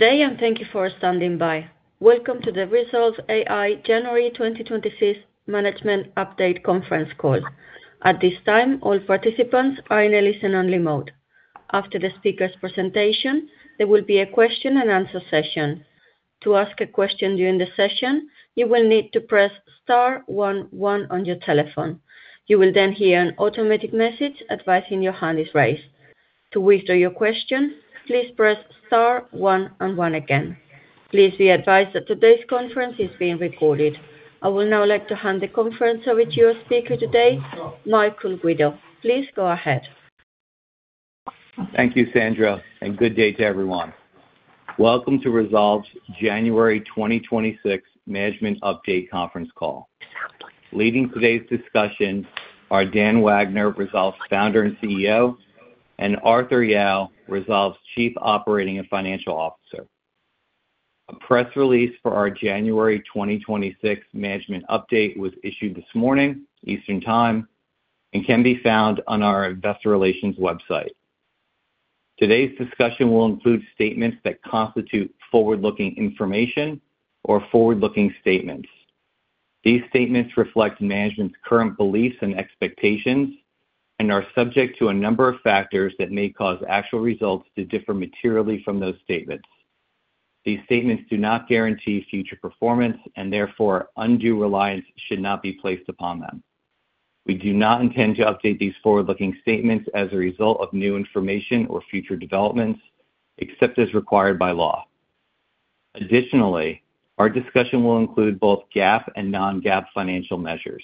Today, and thank you for standing by. Welcome to the Rezolve AI January 2026 Management Update Conference Call. At this time, all participants are in a listen-only mode. After the speaker's presentation, there will be a question-and-answer session. To ask a question during the session, you will need to press Star one one on your telephone. You will then hear an automatic message advising your hand is raised. To withdraw your question, please press Star one one again. Please be advised that today's conference is being recorded. I would now like to hand the conference over to your speaker today, Michael Guido. Please go ahead. Thank you, Sandra, and good day to everyone. Welcome to Rezolve's January 2026 Management Update Conference Call. Leading today's discussion are Dan Wagner, Rezolve's founder and CEO, and Arthur Yao, Rezolve's Chief Operating and Financial Officer. A press release for our January 2026 Management Update was issued this morning, Eastern Time, and can be found on our investor relations website. Today's discussion will include statements that constitute forward-looking information or forward-looking statements. These statements reflect management's current beliefs and expectations and are subject to a number of factors that may cause actual results to differ materially from those statements. These statements do not guarantee future performance, and therefore, undue reliance should not be placed upon them. We do not intend to update these forward-looking statements as a result of new information or future developments, except as required by law. Additionally, our discussion will include both GAAP and non-GAAP financial measures.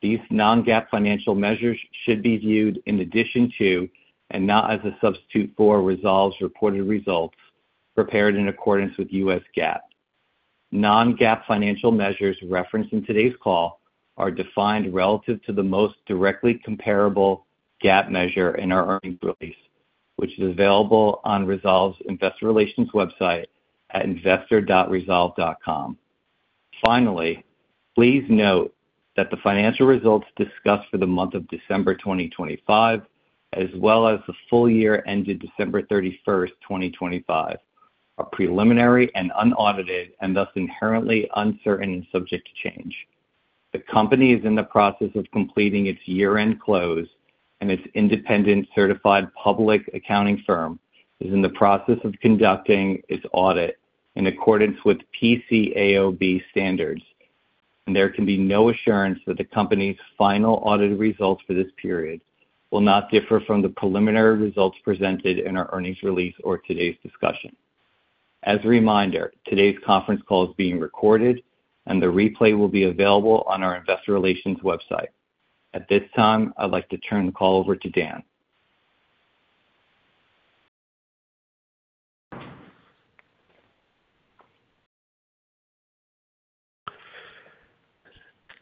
These non-GAAP financial measures should be viewed in addition to, and not as a substitute for, Rezolve's reported results prepared in accordance with U.S. GAAP. Non-GAAP financial measures referenced in today's call are defined relative to the most directly comparable GAAP measure in our earnings release, which is available on Rezolve's investor relations website at investor.rezolve.com. Finally, please note that the financial results discussed for the month of December 2025, as well as the full year ended December 31st, 2025, are preliminary and unaudited, and thus inherently uncertain and subject to change. The company is in the process of completing its year-end close, and its independent certified public accounting firm is in the process of conducting its audit in accordance with PCAOB Standards, and there can be no assurance that the company's final audited results for this period will not differ from the preliminary results presented in our earnings release or today's discussion. As a reminder, today's conference call is being recorded, and the replay will be available on our investor relations website. At this time, I'd like to turn the call over to Dan.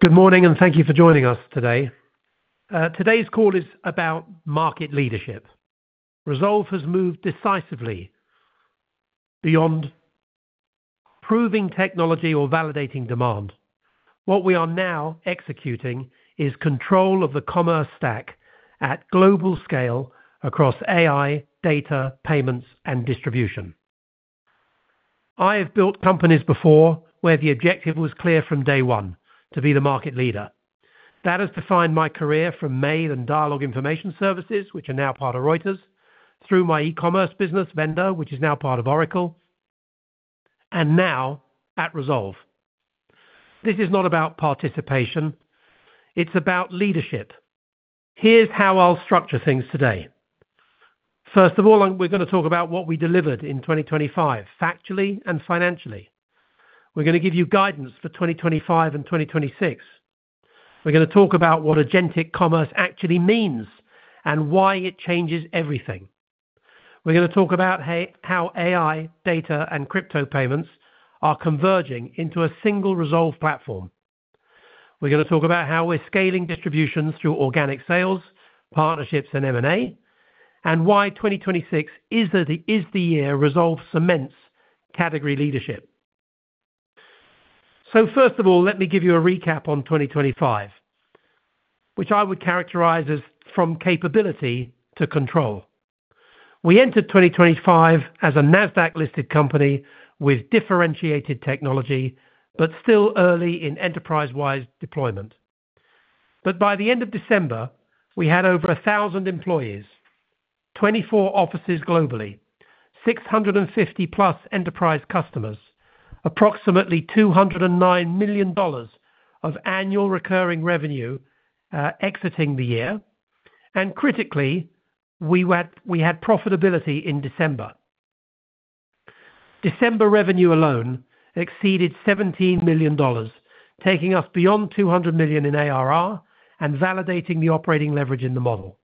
Good morning, and thank you for joining us today. Today's call is about market leadership. Rezolve has moved decisively beyond proving technology or validating demand. What we are now executing is control of the commerce stack at global scale across AI, data, payments, and distribution. I have built companies before where the objective was clear from day one: to be the market leader. That has defined my career from M.A.I.D. and Dialog Information Services, which are now part of Reuters, through my e-commerce business Venda, which is now part of Oracle, and now at Rezolve. This is not about participation. It's about leadership. Here's how I'll structure things today. First of all, we're going to talk about what we delivered in 2025, factually and financially. We're going to give you guidance for 2025 and 2026. We're going to talk about what Agentic commerce actually means and why it changes everything. We're going to talk about how AI, data, and crypto payments are converging into a single Rezolve platform. We're going to talk about how we're scaling distributions through organic sales, partnerships, and M&A, and why 2026 is the year Rezolve cements category leadership. So first of all, let me give you a recap on 2025, which I would characterize as from capability to control. We entered 2025 as a Nasdaq-listed company with differentiated technology, but still early in enterprise-wide deployment. But by the end of December, we had over 1,000 employees, 24 offices globally, 650-plus enterprise customers, approximately $209 million of annual recurring revenue exiting the year. And critically, we had profitability in December. December revenue alone exceeded $17 million, taking us beyond $200 million in ARR and validating the operating leverage in the model.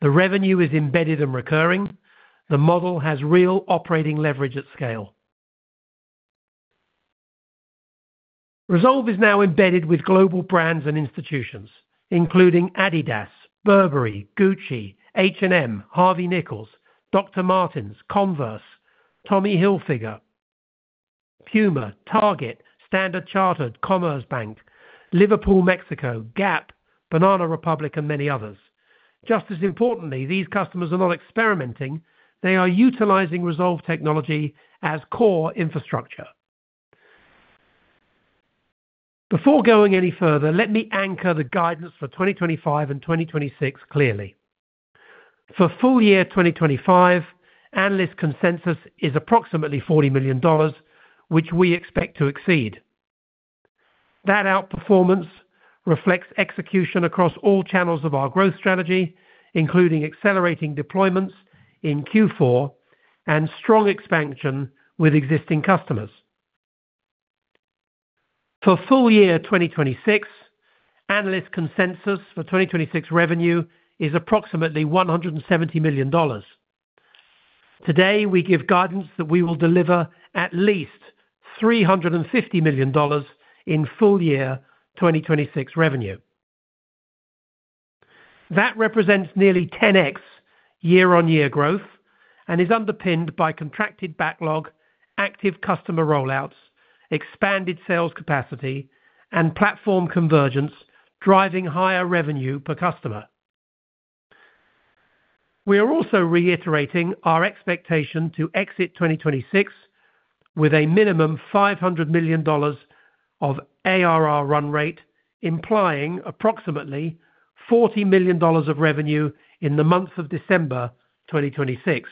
The revenue is embedded and recurring. The model has real operating leverage at scale. Rezolve is now embedded with global brands and institutions, including Adidas, Burberry, Gucci, H&M, Harvey Nichols, Dr. Martens, Converse, Tommy Hilfiger, Puma, Target, Standard Chartered, Commerzbank, Liverpool Mexico, Gap, Banana Republic, and many others. Just as importantly, these customers are not experimenting. They are utilizing Rezolve technology as core infrastructure. Before going any further, let me anchor the guidance for 2025 and 2026 clearly. For full year 2025, analyst consensus is approximately $40 million, which we expect to exceed. That outperformance reflects execution across all channels of our growth strategy, including accelerating deployments in Q4 and strong expansion with existing customers. For full year 2026, analyst consensus for 2026 revenue is approximately $170 million. Today, we give guidance that we will deliver at least $350 million in full year 2026 revenue. That represents nearly 10x year-on-year growth and is underpinned by contracted backlog, active customer rollouts, expanded sales capacity, and platform convergence driving higher revenue per customer. We are also reiterating our expectation to exit 2026 with a minimum $500 million of ARR run rate, implying approximately $40 million of revenue in the month of December 2026.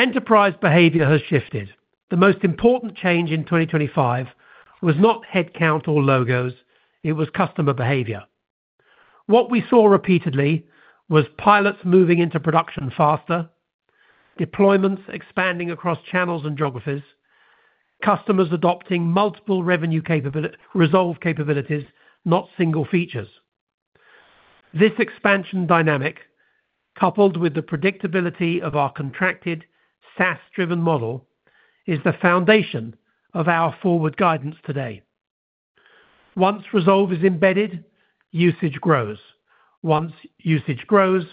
Enterprise behavior has shifted. The most important change in 2025 was not headcount or logos. It was customer behavior. What we saw repeatedly was pilots moving into production faster, deployments expanding across channels and geographies, customers adopting multiple Rezolve capabilities, not single features. This expansion dynamic, coupled with the predictability of our contracted, SaaS-driven model, is the foundation of our forward guidance today. Once Rezolve is embedded, usage grows. Once usage grows,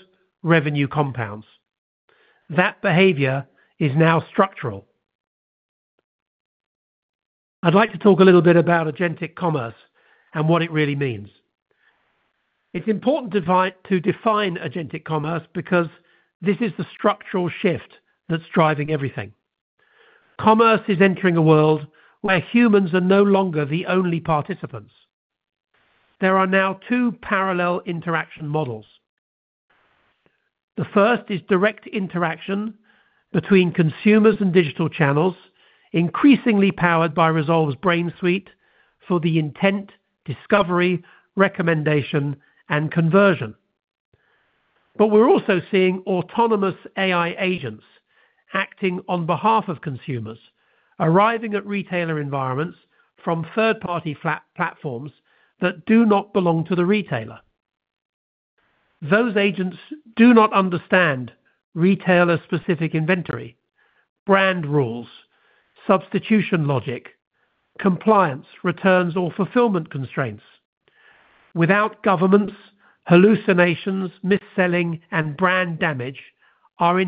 revenue compounds. That behavior is now structural. I'd like to talk a little bit about agentic commerce and what it really means. It's important to define Agentic Commerce because this is the structural shift that's driving everything. Commerce is entering a world where humans are no longer the only participants. There are now two parallel interaction models. The first is direct interaction between consumers and digital channels, increasingly powered by Rezolve's Brain Suite for the intent, discovery, recommendation, and conversion. But we're also seeing autonomous AI agents acting on behalf of consumers, arriving at retailer environments from third-party platforms that do not belong to the retailer. Those agents do not understand retailer-specific inventory, brand rules, substitution logic, compliance, returns, or fulfillment constraints. Without governance, hallucinations, mis-selling, and brand damage are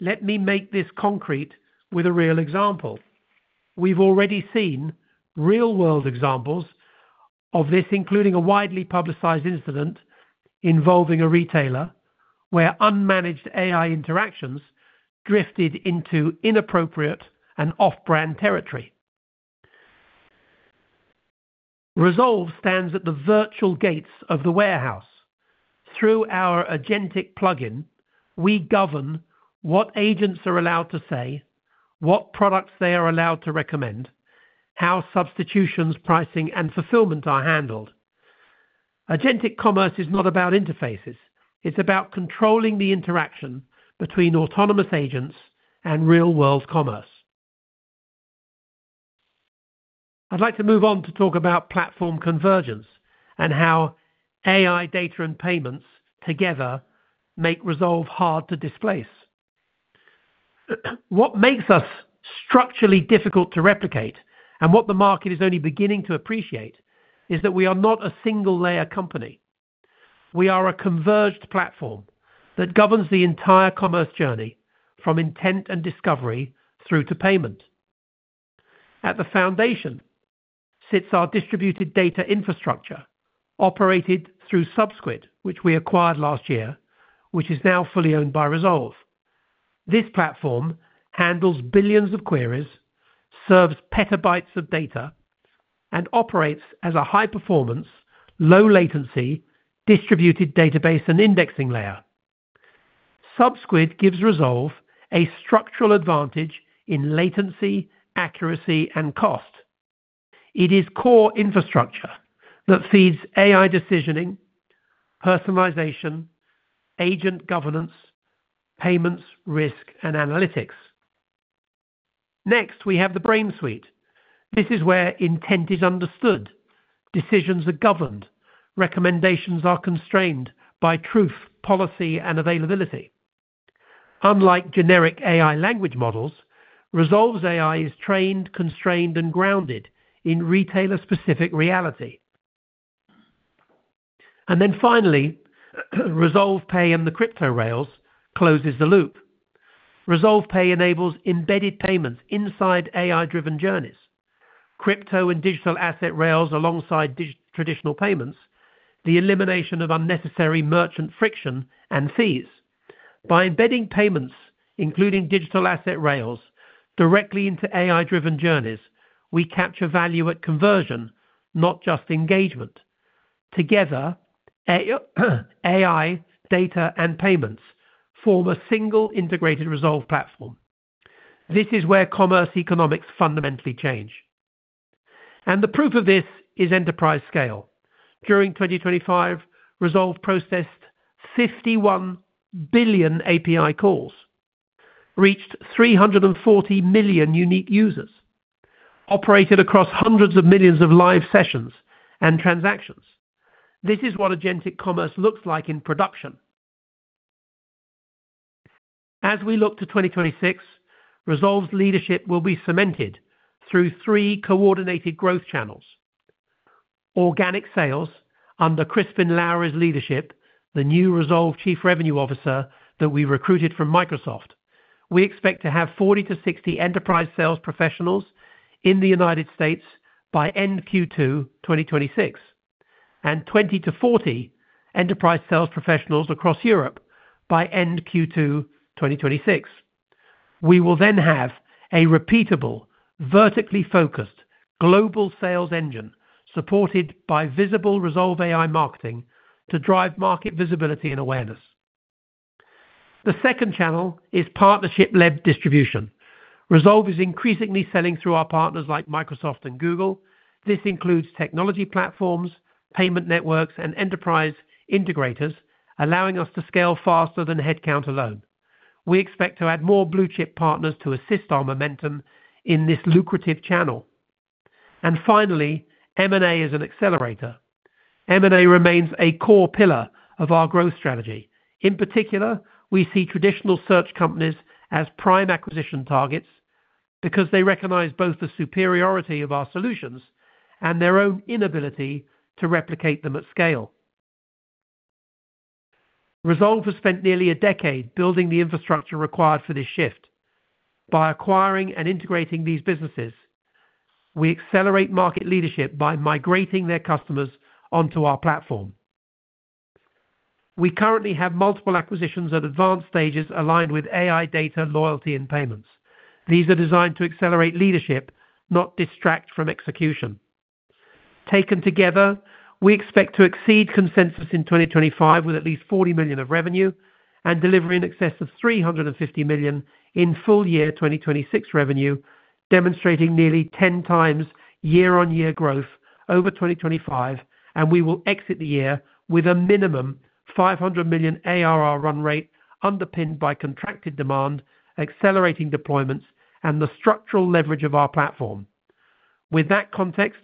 inevitable. Let me make this concrete with a real example. We've already seen real-world examples of this, including a widely publicized incident involving a retailer where unmanaged AI interactions drifted into inappropriate and off-brand territory. Rezolve stands at the virtual gates of the warehouse. Through our Agentic Plug-in, we govern what agents are allowed to say, what products they are allowed to recommend, how substitutions, pricing, and fulfillment are handled. Agentic Commerce is not about interfaces. It's about controlling the interaction between autonomous agents and real-world commerce. I'd like to move on to talk about platform convergence and how AI, data, and payments together make Rezolve hard to displace. What makes us structurally difficult to replicate and what the market is only beginning to appreciate is that we are not a single-layer company. We are a converged platform that governs the entire commerce journey from intent and discovery through to payment. At the foundation sits our distributed data infrastructure operated through Subsquid, which we acquired last year, which is now fully owned by Rezolve. This platform handles billions of queries, serves petabytes of data, and operates as a high-performance, low-latency, distributed database and indexing layer. Subsquid gives Rezolve a structural advantage in latency, accuracy, and cost. It is core infrastructure that feeds AI decisioning, personalization, agent governance, payments, risk, and analytics. Next, we have the Brain Suite. This is where intent is understood. Decisions are governed. Recommendations are constrained by truth, policy, and availability. Unlike generic AI language models, Rezolve's AI is trained, constrained, and grounded in retailer-specific reality. And then finally, Rezolve Pay and the crypto rails closes the loop. Rezolve Pay enables embedded payments inside AI-driven journeys, crypto and digital asset rails alongside traditional payments, the elimination of unnecessary merchant friction and fees. By embedding payments, including digital asset rails, directly into AI-driven journeys, we capture value at conversion, not just engagement. Together, AI, data, and payments form a single integrated Rezolve platform. This is where commerce economics fundamentally change, and the proof of this is enterprise scale. During 2025, Rezolve processed 51 billion API calls, reached 340 million unique users, operated across hundreds of millions of live sessions and transactions. This is what agentic commerce looks like in production. As we look to 2026, Rezolve's leadership will be cemented through three coordinated growth channels. Organic sales under Crispin Lowery's leadership, the new Rezolve Chief Revenue Officer that we recruited from Microsoft. We expect to have 40-60 enterprise sales professionals in the United States by end Q2 2026 and 20-40 enterprise sales professionals across Europe by end Q2 2026. We will then have a repeatable, vertically focused global sales engine supported by visible Rezolve AI marketing to drive market visibility and awareness. The second channel is partnership-led distribution. Rezolve is increasingly selling through our partners like Microsoft and Google. This includes technology platforms, payment networks, and enterprise integrators, allowing us to scale faster than headcount alone. We expect to add more blue-chip partners to assist our momentum in this lucrative channel. Finally, M&A is an accelerator. M&A remains a core pillar of our growth strategy. In particular, we see traditional search companies as prime acquisition targets because they recognize both the superiority of our solutions and their own inability to replicate them at scale. Rezolve has spent nearly a decade building the infrastructure required for this shift by acquiring and integrating these businesses. We accelerate market leadership by migrating their customers onto our platform. We currently have multiple acquisitions at advanced stages aligned with AI, data, loyalty, and payments. These are designed to accelerate leadership, not distract from execution. Taken together, we expect to exceed consensus in 2025 with at least $40 million in revenue and deliver in excess of $350 million in full year 2026 revenue, demonstrating nearly 10 times year-on-year growth over 2025, and we will exit the year with a minimum $500 million ARR run rate underpinned by contracted demand, accelerating deployments, and the structural leverage of our platform. With that context,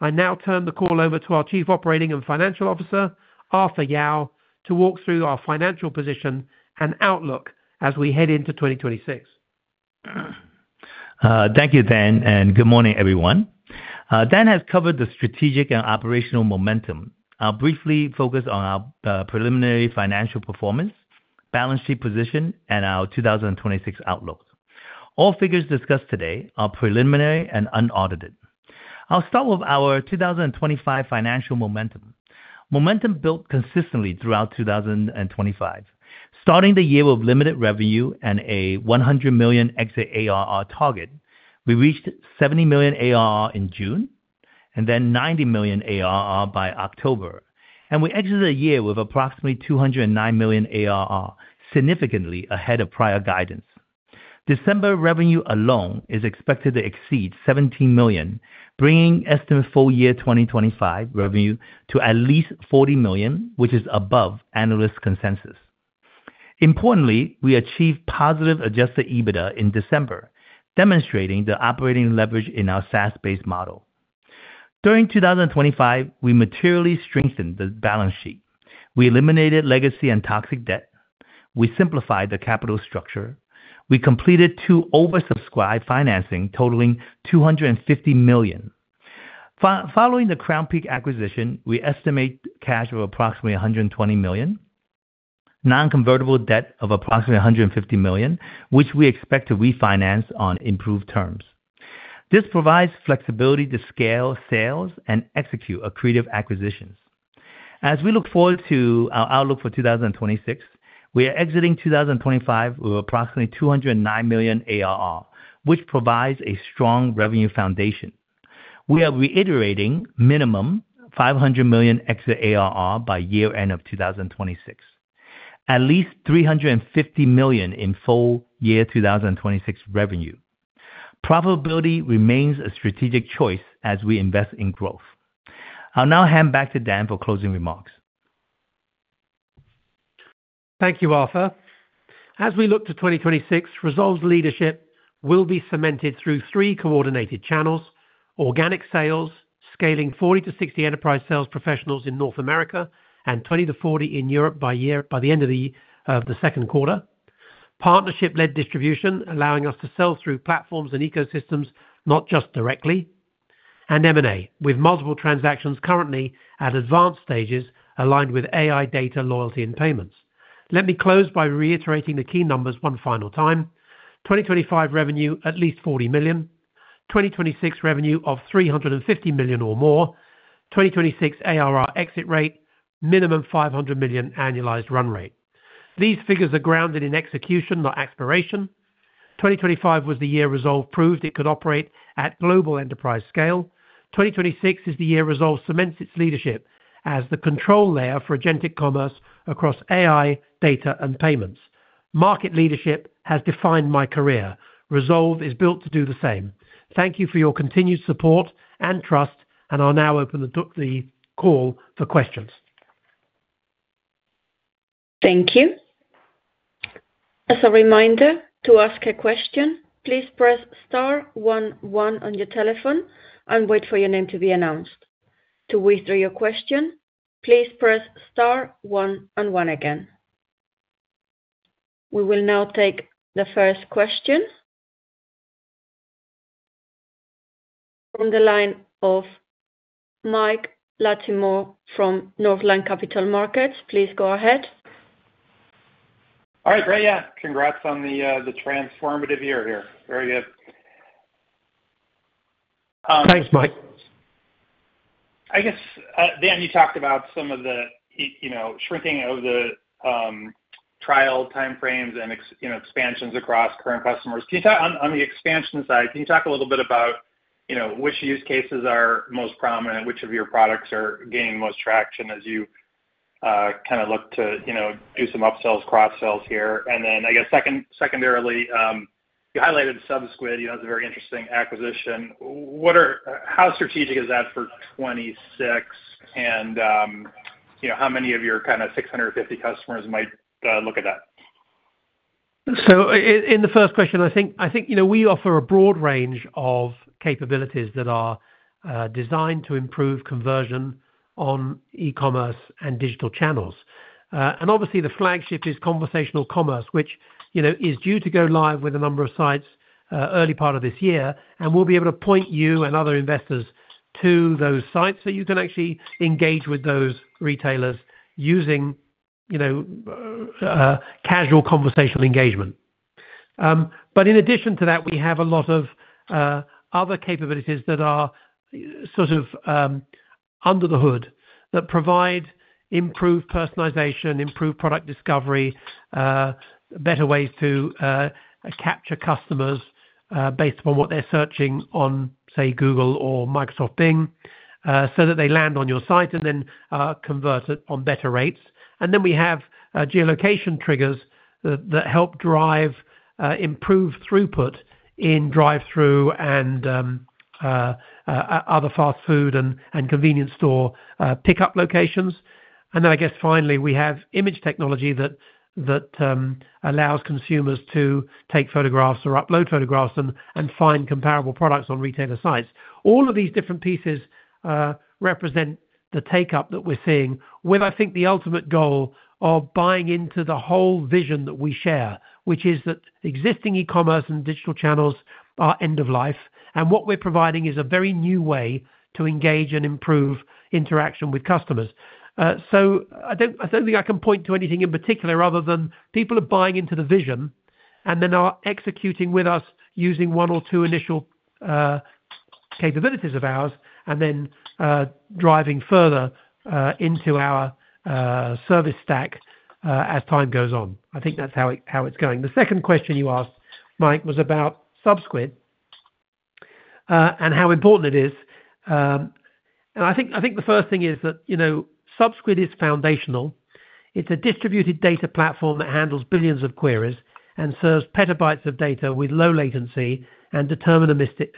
I now turn the call over to our Chief Operating and Financial Officer, Arthur Yao, to walk through our financial position and outlook as we head into 2026. Thank you, Dan, and good morning, everyone. Dan has covered the strategic and operational momentum. I'll briefly focus on our preliminary financial performance, balance sheet position, and our 2026 outlook. All figures discussed today are preliminary and unaudited. I'll start with our 2025 financial momentum. Momentum built consistently throughout 2025. Starting the year with limited revenue and a $100 million exit ARR target, we reached $70 million ARR in June and then $90 million ARR by October. And we exited the year with approximately $209 million ARR, significantly ahead of prior guidance. December revenue alone is expected to exceed $17 million, bringing estimate full year 2025 revenue to at least $40 million, which is above analyst consensus. Importantly, we achieved positive Adjusted EBITDA in December, demonstrating the operating leverage in our SaaS-based model. During 2025, we materially strengthened the balance sheet. We eliminated legacy and toxic debt. We simplified the capital structure. We completed two oversubscribed financing totaling $250 million. Following the Crownpeak acquisition, we estimate cash of approximately $120 million, non-convertible debt of approximately $150 million, which we expect to refinance on improved terms. This provides flexibility to scale sales and execute accretive acquisitions. As we look forward to our outlook for 2026, we are exiting 2025 with approximately 209 million ARR, which provides a strong revenue foundation. We are reiterating minimum 500 million exit ARR by year-end of 2026, at least 350 million in full year 2026 revenue. Profitability remains a strategic choice as we invest in growth. I'll now hand back to Dan for closing remarks. Thank you, Arthur. As we look to 2026, Rezolve's leadership will be cemented through three coordinated channels: organic sales, scaling 40-60 enterprise sales professionals in North America and 20-40 in Europe by the end of the Q2. Partnership-led distribution, allowing us to sell through platforms and ecosystems, not just directly. And M&A with multiple transactions currently at advanced stages aligned with AI, data, loyalty, and payments. Let me close by reiterating the key numbers one final time: 2025 revenue, at least $40 million; 2026 revenue of $350 million or more; 2026 ARR exit rate, minimum $500 million annualized run rate. These figures are grounded in execution, not expiration. 2025 was the year Rezolve proved it could operate at global enterprise scale. 2026 is the year Rezolve cements its leadership as the control layer for agentic commerce across AI, data, and payments. Market leadership has defined my career. Rezolve is built to do the same. Thank you for your continued support and trust, and I'll now open the call for questions. Thank you. As a reminder, to ask a question, please press star one-one on your telephone and wait for your name to be announced. To withdraw your question, please press star one-one again. We will now take the first question from the line of Mike Latimore from Northland Capital Markets. Please go ahead. All right. Great. Yeah. Congrats on the transformative year here. Very good. Thanks, Mike. I guess, Dan, you talked about some of the shrinking of the trial timeframes and expansions across current customers. On the expansion side, can you talk a little bit about which use cases are most prominent, which of your products are gaining most traction as you kind of look to do some upsells, cross-sells here? And then, I guess, secondarily, you highlighted Subsquid. That's a very interesting acquisition. How strategic is that for '26, and how many of your kind of 650 customers might look at that? In the first question, I think we offer a broad range of capabilities that are designed to improve conversion on e-commerce and digital channels. Obviously, the flagship is conversational commerce, which is due to go live with a number of sites early part of this year. We'll be able to point you and other investors to those sites so you can actually engage with those retailers using casual conversational engagement. In addition to that, we have a lot of other capabilities that are sort of under the hood that provide improved personalization, improved product discovery, better ways to capture customers based upon what they're searching on, say, Google or Microsoft Bing, so that they land on your site and then convert it on better rates. We have geolocation triggers that help drive improved throughput in drive-thru and other fast food and convenience store pickup locations. Then I guess finally, we have image technology that allows consumers to take photographs or upload photographs and find comparable products on retailer sites. All of these different pieces represent the take-up that we're seeing with, I think, the ultimate goal of buying into the whole vision that we share, which is that existing e-commerce and digital channels are end of life. What we're providing is a very new way to engage and improve interaction with customers. So I don't think I can point to anything in particular other than people are buying into the vision and then are executing with us using one or two initial capabilities of ours and then driving further into our service stack as time goes on. I think that's how it's going. The second question you asked, Mike, was about Subsquid and how important it is. And I think the first thing is that Subsquid is foundational. It's a distributed data platform that handles billions of queries and serves petabytes of data with low latency and deterministic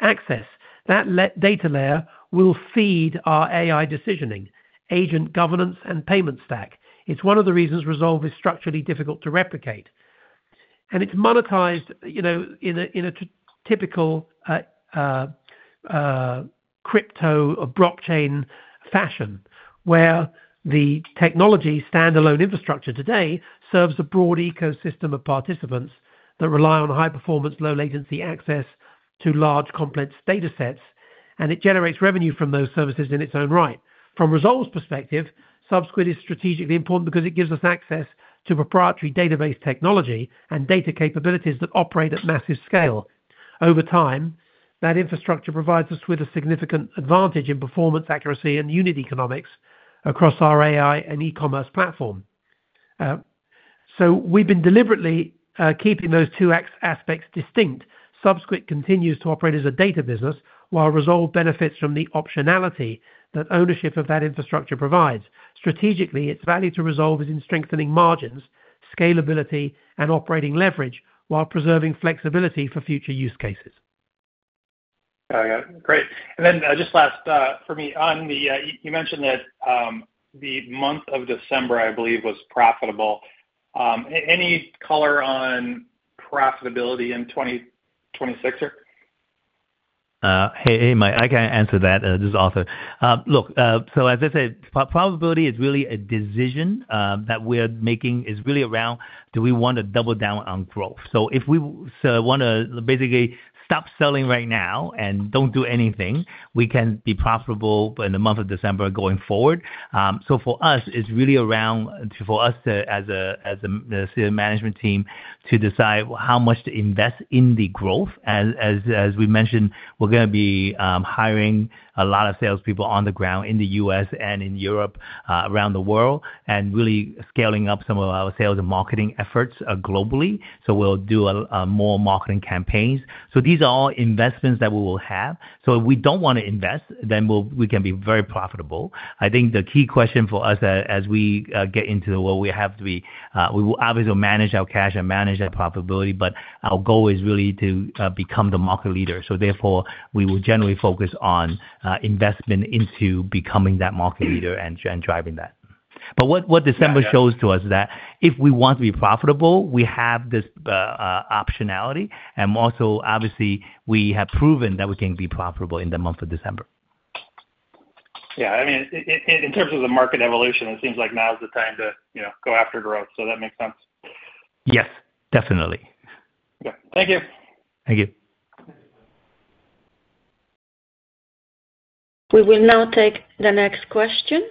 access. That data layer will feed our AI decisioning, agent governance, and payment stack. It's one of the reasons Rezolve is structurally difficult to replicate. And it's monetized in a typical crypto or blockchain fashion where the technology standalone infrastructure today serves a broad ecosystem of participants that rely on high-performance, low-latency access to large complex data sets. And it generates revenue from those services in its own right. From Rezolve's perspective, Subsquid is strategically important because it gives us access to proprietary database technology and data capabilities that operate at massive scale. Over time, that infrastructure provides us with a significant advantage in performance, accuracy, and unit economics across our AI and e-commerce platform. So we've been deliberately keeping those two aspects distinct. Subsquid continues to operate as a data business while Rezolve benefits from the optionality that ownership of that infrastructure provides. Strategically, its value to Rezolve is in strengthening margins, scalability, and operating leverage while preserving flexibility for future use cases. Great. And then just last for me, you mentioned that the month of December, I believe, was profitable. Any color on profitability in 2026? Hey, Mike, I can answer that. This is Arthur. Look, so as I said, profitability is really a decision that we're making around, do we want to double down on growth? So if we want to basically stop selling right now and don't do anything, we can be profitable in the month of December going forward. So for us, it's really around for us as a management team to decide how much to invest in the growth. As we mentioned, we're going to be hiring a lot of salespeople on the ground in the U.S. and in Europe, around the world, and really scaling up some of our sales and marketing efforts globally. So we'll do more marketing campaigns. So these are all investments that we will have. So if we don't want to invest, then we can be very profitable. I think the key question for us as we get into the world. We have to be. We will obviously manage our cash and manage our profitability. But our goal is really to become the market leader. So therefore, we will generally focus on investment into becoming that market leader and driving that. But what December shows to us is that if we want to be profitable, we have this optionality. And also, obviously, we have proven that we can be profitable in the month of December. Yeah. I mean, in terms of the market evolution, it seems like now is the time to go after growth. So that makes sense. Yes, definitely. Okay. Thank you. We will now take the next question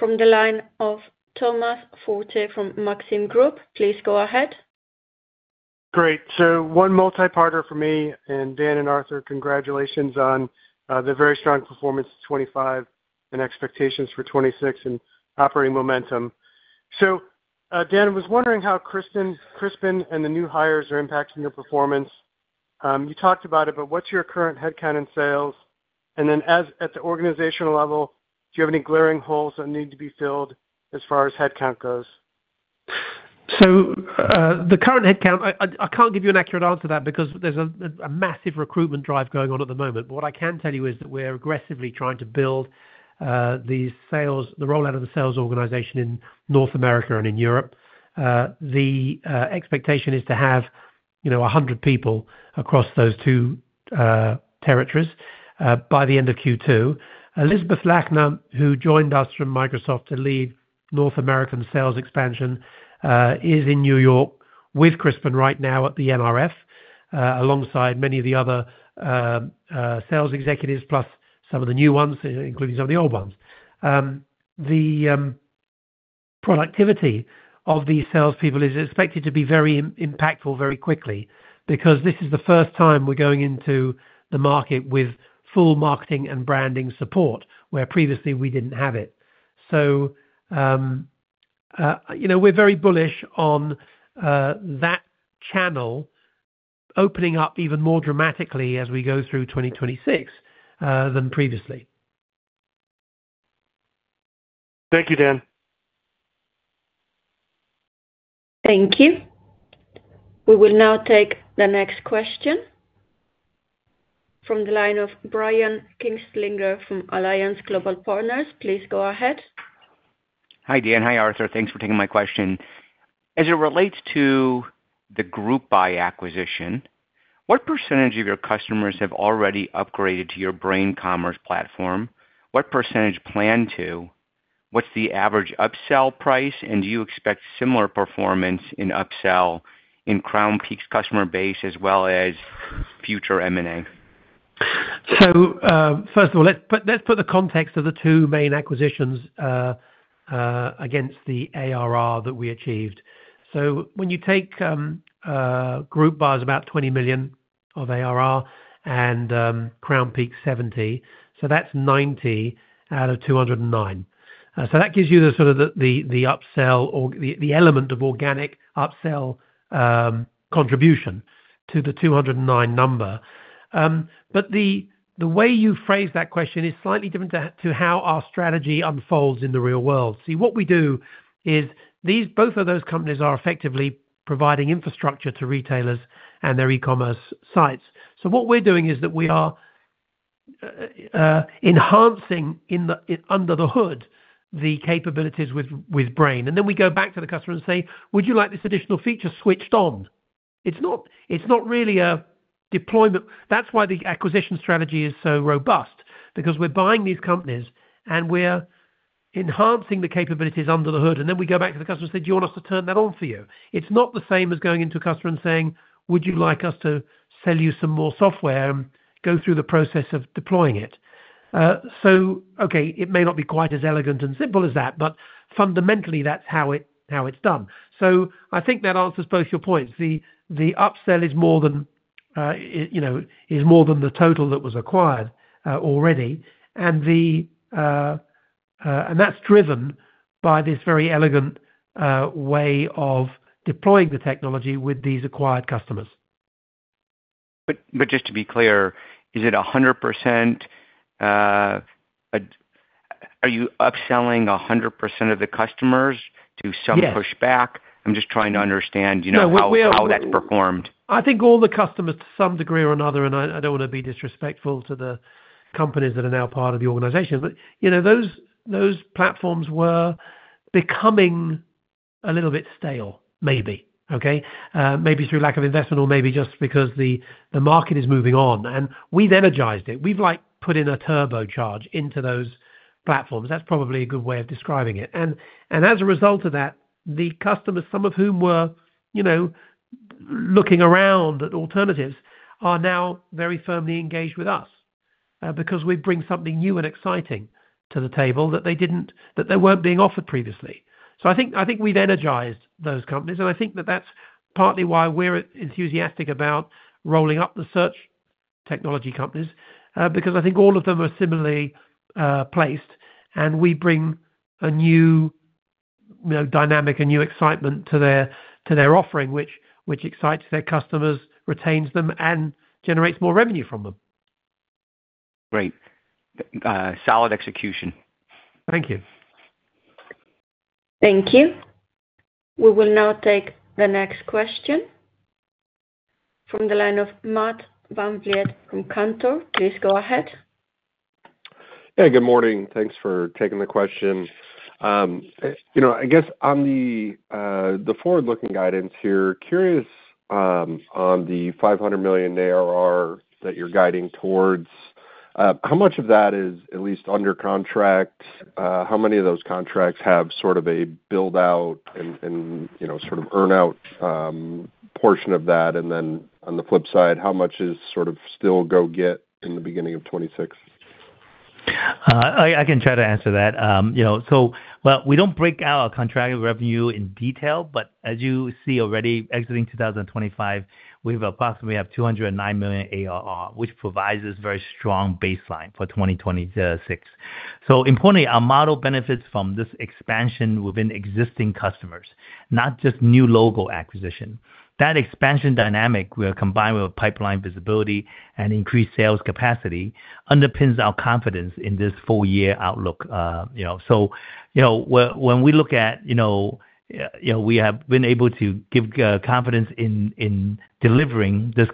from the line of Thomas Forte from Maxim Group. Please go ahead. Great. So one multi-part question for me, and Dan and Arthur, congratulations on the very strong performance in 2025 and expectations for 2026 and operating momentum. So, Dan, I was wondering how Crispin and the new hires are impacting your performance. You talked about it, but what's your current headcount in sales? And then at the organizational level, do you have any glaring holes that need to be filled as far as headcount goes? So the current headcount, I can't give you an accurate answer to that because there's a massive recruitment drive going on at the moment. But what I can tell you is that we're aggressively trying to build the rollout of the sales organization in North America and in Europe. The expectation is to have 100 people across those two territories by the end of Q2. Elizabeth Lochner, who joined us from Microsoft to lead North American sales expansion, is in New York with Crispin right now at the NRF alongside many of the other sales executives, plus some of the new ones, including some of the old ones. The productivity of these salespeople is expected to be very impactful very quickly because this is the first time we're going into the market with full marketing and branding support where previously we didn't have it. So we're very bullish on that channel opening up even more dramatically as we go through 2026 than previously. Thank you, Dan. Thank you. We will now take the next question from the line of Brian Kinstlinger from Alliance Global Partners. Please go ahead. Hi, Dan. Hi, Arthur. Thanks for taking my question. As it relates to the GroupBy acquisition, what percentage of your customers have already upgraded to your Brain Suite platform? What percentage plan to? What's the average upsell price? And do you expect similar performance in upsell in Crownpeak's customer base as well as future M&A? So first of all, let's put the context of the two main acquisitions against the ARR that we achieved. So when you take GroupBy, about 20 million of ARR and Crownpeak 70, so that's 90 out of 209. So that gives you sort of the upsell or the element of organic upsell contribution to the 209 number. But the way you phrase that question is slightly different to how our strategy unfolds in the real world. See, what we do is both of those companies are effectively providing infrastructure to retailers and their e-commerce sites. So what we're doing is that we are enhancing under the hood the capabilities with brain. And then we go back to the customer and say, "Would you like this additional feature switched on?" It's not really a deployment. That's why the acquisition strategy is so robust, because we're buying these companies and we're enhancing the capabilities under the hood. And then we go back to the customer and say, "Do you want us to turn that on for you?" It's not the same as going into a customer and saying, "Would you like us to sell you some more software and go through the process of deploying it?" So, okay, it may not be quite as elegant and simple as that, but fundamentally, that's how it's done. So I think that answers both your points. The upsell is more than the total that was acquired already. And that's driven by this very elegant way of deploying the technology with these acquired customers. But just to be clear, is it 100%? Are you upselling 100% of the customers to some pushback? I'm just trying to understand how that's performed. I think all the customers, to some degree or another, and I don't want to be disrespectful to the companies that are now part of the organization, but those platforms were becoming a little bit stale, maybe. Okay? Maybe through lack of investment or maybe just because the market is moving on, and we've energized it. We've put in a turbocharge into those platforms. That's probably a good way of describing it, and as a result of that, the customers, some of whom were looking around at alternatives, are now very firmly engaged with us because we bring something new and exciting to the table that they weren't being offered previously, so I think we've energized those companies, and I think that that's partly why we're enthusiastic about rolling up the search technology companies, because I think all of them are similarly placed. And we bring a new dynamic, a new excitement to their offering, which excites their customers, retains them, and generates more revenue from them. Great. Solid execution. Thank you. Thank you. We will now take the next question from the line of Matt VanVliet from Cantor. Please go ahead. Yeah. Good morning. Thanks for taking the question. I guess on the forward-looking guidance here, curious on the 500 million ARR that you're guiding towards, how much of that is at least under contract? How many of those contracts have sort of a build-out and sort of earn-out portion of that? And then on the flip side, how much is sort of still go-get in the beginning of 2026? I can try to answer that. We don't break out our contracted revenue in detail, but as you see already, exiting 2025, we approximately have $209 million ARR, which provides us a very strong baseline for 2026. Importantly, our model benefits from this expansion within existing customers, not just new logo acquisition. That expansion dynamic, when combined with pipeline visibility and increased sales capacity, underpins our confidence in this four-year outlook. When we look at we have been able to give confidence in delivering this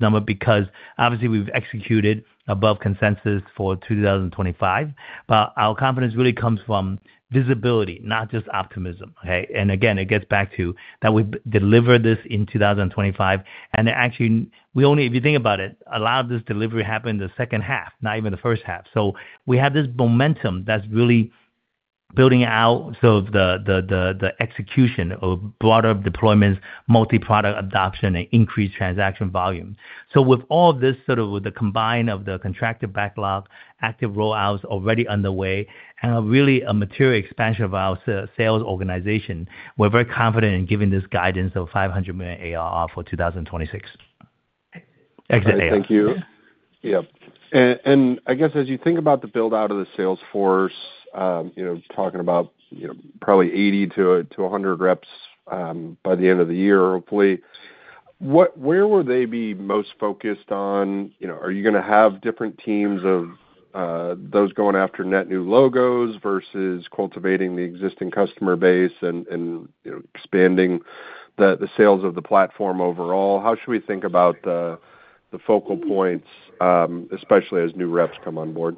number because, obviously, we've executed above consensus for 2025. Our confidence really comes from visibility, not just optimism. Okay? Again, it gets back to that we deliver this in 2025. Actually, if you think about it, a lot of this delivery happened in the second half, not even the first half. So we have this momentum that's really building out sort of the execution of broader deployments, multi-product adoption, and increased transaction volume. So with all of this, sort of with the combine of the contractor backlog, active rollouts already underway, and really a material expansion of our sales organization, we're very confident in giving this guidance of 500 million ARR for 2026. Exit ARR. Thank you. Yep. And I guess as you think about the build-out of the sales force, talking about probably 80-100 reps by the end of the year, hopefully, where will they be most focused on? Are you going to have different teams of those going after net new logos versus cultivating the existing customer base and expanding the sales of the platform overall? How should we think about the focal points, especially as new reps come on board?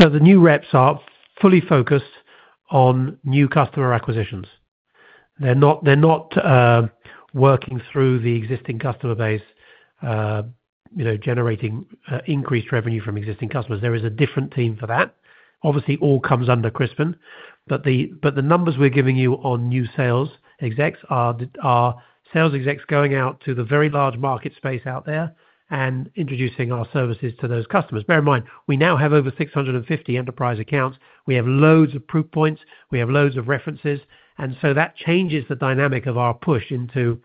So the new reps are fully focused on new customer acquisitions. They're not working through the existing customer base, generating increased revenue from existing customers. There is a different team for that. Obviously, it all comes under Crispin. But the numbers we're giving you on new sales execs are sales execs going out to the very large market space out there and introducing our services to those customers. Bear in mind, we now have over 650 enterprise accounts. We have loads of proof points. We have loads of references. And so that changes the dynamic of our push into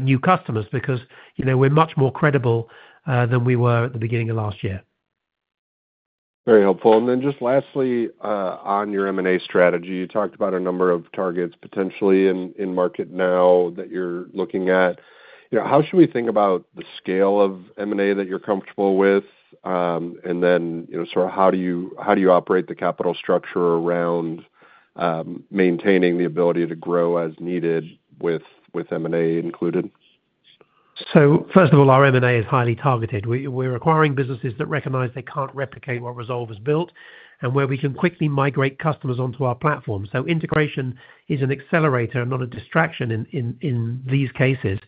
new customers because we're much more credible than we were at the beginning of last year. Very helpful. And then just lastly, on your M&A strategy, you talked about a number of targets potentially in market now that you're looking at. How should we think about the scale of M&A that you're comfortable with? And then sort of how do you operate the capital structure around maintaining the ability to grow as needed with M&A included? So first of all, our M&A is highly targeted. We're acquiring businesses that recognize they can't replicate what Rezolve has built and where we can quickly migrate customers onto our platform. So integration is an accelerator and not a distraction in these cases.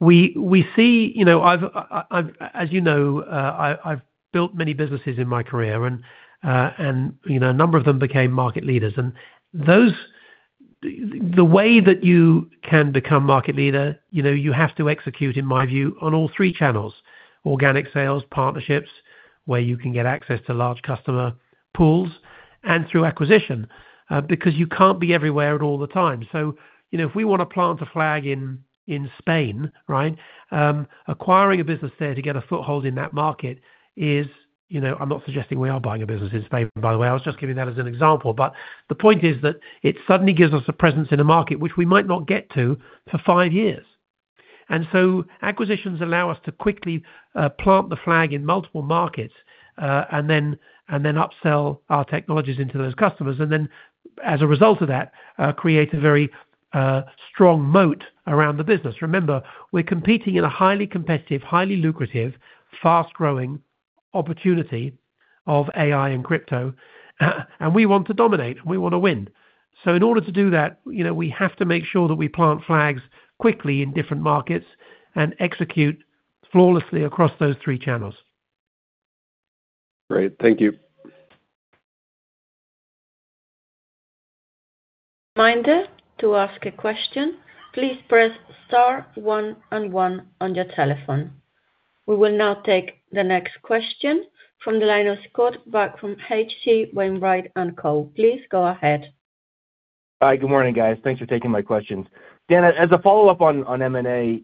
We see as you know, I've built many businesses in my career, and a number of them became market leaders. And the way that you can become market leader, you have to execute, in my view, on all three channels: organic sales, partnerships, where you can get access to large customer pools, and through acquisition, because you can't be everywhere at all the time. So if we want to plant a flag in Spain, right, acquiring a business there to get a foothold in that market. I'm not suggesting we are buying a business in Spain, by the way. I was just giving that as an example. But the point is that it suddenly gives us a presence in a market which we might not get to for five years. And so acquisitions allow us to quickly plant the flag in multiple markets and then upsell our technologies into those customers. And then, as a result of that, create a very strong moat around the business. Remember, we're competing in a highly competitive, highly lucrative, fast-growing opportunity of AI and crypto. And we want to dominate. We want to win. So in order to do that, we have to make sure that we plant flags quickly in different markets and execute flawlessly across those three channels. Great. Thank you. Reminder to ask a question. Please press star one and one on your telephone. We will now take the next question from the line of Scott Buck from H.C. Wainwright & Co. Please go ahead. Hi. Good morning, guys. Thanks for taking my questions. Dan, as a follow-up on M&A,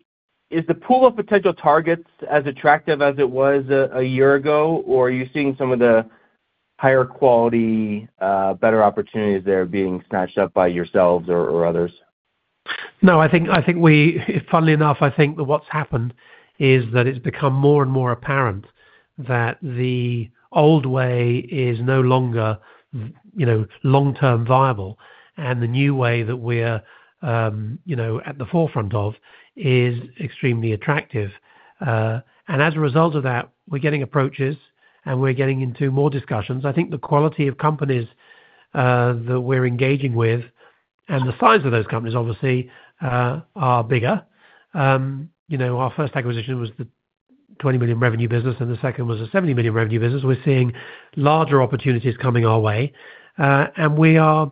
is the pool of potential targets as attractive as it was a year ago, or are you seeing some of the higher quality, better opportunities there being snatched up by yourselves or others? No, I think we funnily enough, I think what's happened is that it's become more and more apparent that the old way is no longer long-term viable. And the new way that we're at the forefront of is extremely attractive. And as a result of that, we're getting approaches, and we're getting into more discussions. I think the quality of companies that we're engaging with and the size of those companies, obviously, are bigger. Our first acquisition was the $20 million revenue business, and the second was a $70 million revenue business. We're seeing larger opportunities coming our way. And we are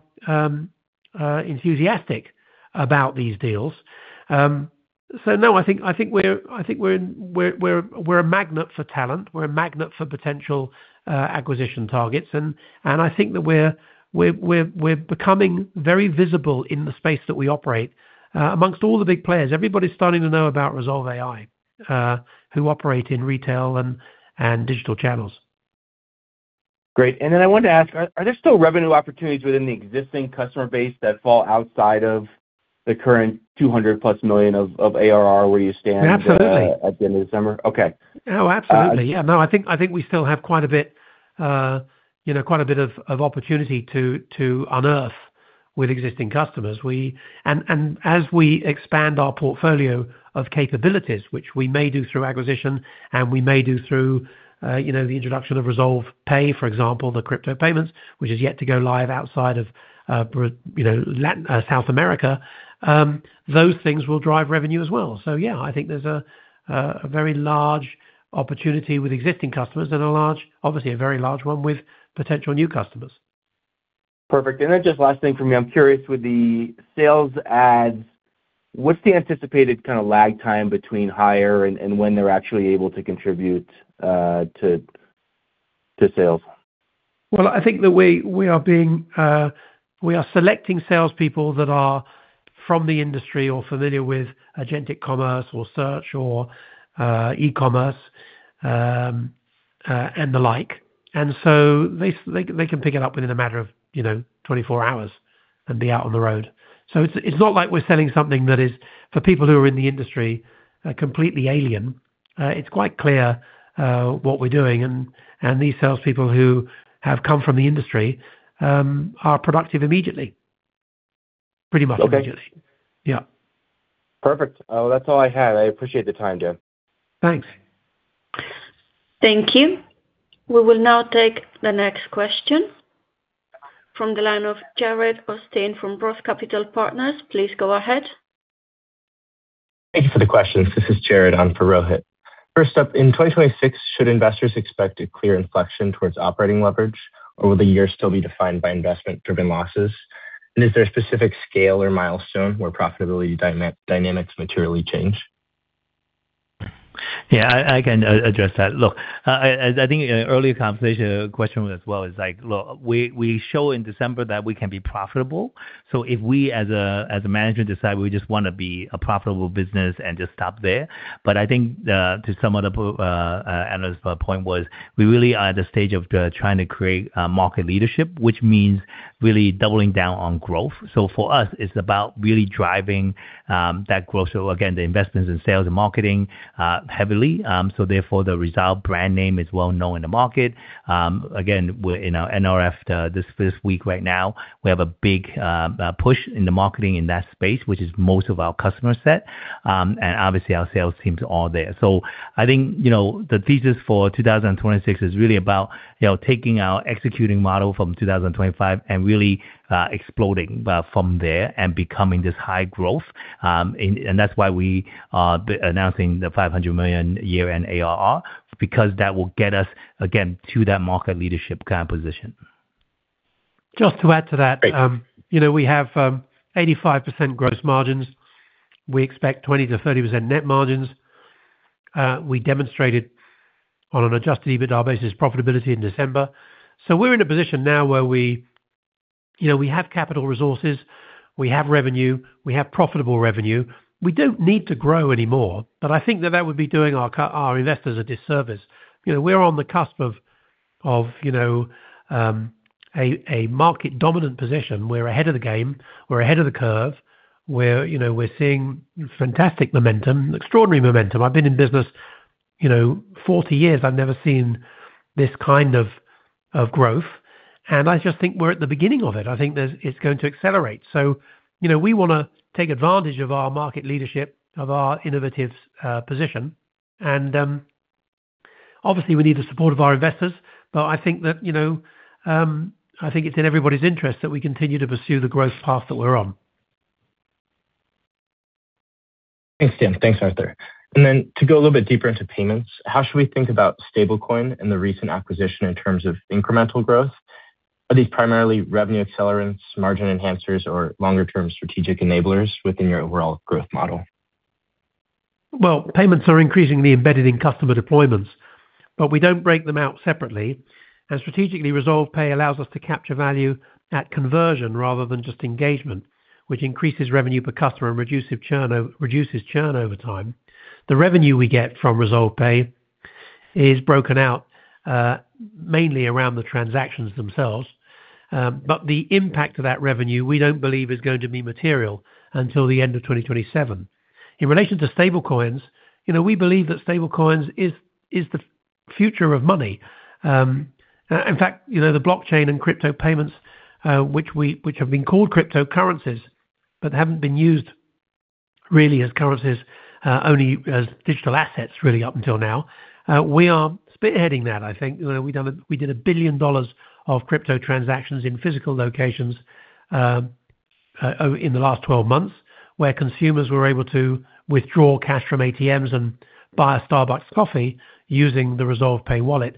enthusiastic about these deals. So no, I think we're a magnet for talent. We're a magnet for potential acquisition targets. And I think that we're becoming very visible in the space that we operate amongst all the big players. Everybody's starting to know about Rezolve AI, who operate in retail and digital channels. Great. And then I wanted to ask, are there still revenue opportunities within the existing customer base that fall outside of the current 200-plus million of ARR where you stand at the end of December? Absolutely. Okay. Oh, absolutely. Yeah. No, I think we still have quite a bit of opportunity to unearth with existing customers. And as we expand our portfolio of capabilities, which we may do through acquisition, and we may do through the introduction of Rezolve Pay, for example, the crypto payments, which is yet to go live outside of South America, those things will drive revenue as well. So yeah, I think there's a very large opportunity with existing customers and, obviously, a very large one with potential new customers. Perfect. And then just last thing for me, I'm curious with the sales adds. What's the anticipated kind of lag time between hire and when they're actually able to contribute to sales? Well, I think that we are selecting salespeople that are from the industry or familiar with Agentic Commerce or search or e-commerce and the like. And so they can pick it up within a matter of 24 hours and be out on the road. So it's not like we're selling something that is, for people who are in the industry, completely alien. It's quite clear what we're doing. And these salespeople who have come from the industry are productive immediately, pretty much immediately. Yeah. Perfect. Well, that's all I had. I appreciate the time, Dan. Thanks. Thank you. We will now take the next question from the line of Jared Osteen from Roth Capital Partners. Please go ahead. Thank you for the questions. This is Jared on for Rohit. First up, in 2026, should investors expect a clear inflection towards operating leverage, or will the year still be defined by investment-driven losses? And is there a specific scale or milestone where profitability dynamics materially change? Yeah, I can address that. Look, I think an earlier conversation question as well is like, look, we show in December that we can be profitable. So if we, as a management, decide we just want to be a profitable business and just stop there. But I think to some other analyst's point was we really are at the stage of trying to create market leadership, which means really doubling down on growth. So for us, it's about really driving that growth. So again, the investments in sales and marketing heavily. Therefore, the Rezolve brand name is well known in the market. Again, we're in our NRF this week right now. We have a big push in the marketing in that space, which is most of our customer set. And obviously, our sales teams are there. So I think the thesis for 2026 is really about taking our executing model from 2025 and really exploding from there and becoming this high growth. And that's why we are announcing the $500 million year-end ARR, because that will get us, again, to that market leadership kind of position. Just to add to that, we have 85% gross margins. We expect 20%-30% net margins. We demonstrated on an Adjusted EBITDA basis profitability in December. So we're in a position now where we have capital resources. We have revenue. We have profitable revenue. We don't need to grow anymore. But I think that would be doing our investors a disservice. We're on the cusp of a market-dominant position. We're ahead of the game. We're ahead of the curve. We're seeing fantastic momentum, extraordinary momentum. I've been in business 40 years. I've never seen this kind of growth. And I just think we're at the beginning of it. I think it's going to accelerate. So we want to take advantage of our market leadership, of our innovative position. And obviously, we need the support of our investors. But I think it's in everybody's interest that we continue to pursue the growth path that we're on. Thanks, Dan. Thanks, Arthur. And then to go a little bit deeper into payments, how should we think about stablecoin and the recent acquisition in terms of incremental growth? Are these primarily revenue accelerants, margin enhancers, or longer-term strategic enablers within your overall growth model? Well, payments are increasingly embedded in customer deployments, but we don't break them out separately. And strategically, Rezolve Pay allows us to capture value at conversion rather than just engagement, which increases revenue per customer and reduces churn over time. The revenue we get from Rezolve Pay is broken out mainly around the transactions themselves. But the impact of that revenue, we don't believe, is going to be material until the end of 2027. In relation to stablecoins, we believe that stablecoins is the future of money. In fact, the blockchain and crypto payments, which have been called cryptocurrencies but haven't been used really as currencies, only as digital assets really up until now, we are spearheading that, I think. We did $1 billion of crypto transactions in physical locations in the last 12 months where consumers were able to withdraw cash from ATMs and buy a Starbucks coffee using the Rezolve Wallet.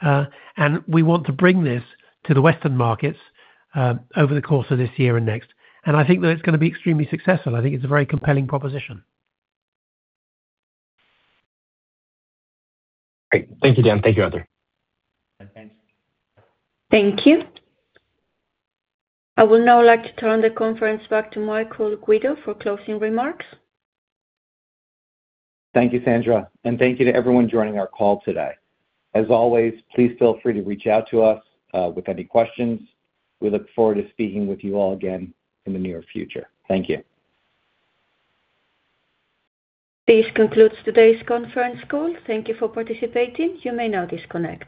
And we want to bring this to the Western markets over the course of this year and next. And I think that it's going to be extremely successful. I think it's a very compelling proposition. Great. Thank you, Dan. Thank you, Arthur. Thank you. I would now like to turn the conference back to Michael Guido for closing remarks. Thank you, Sandra. And thank you to everyone joining our call today. As always, please feel free to reach out to us with any questions. We look forward to speaking with you all again in the near future. Thank you. This concludes today's conference call. Thank you for participating. You may now disconnect.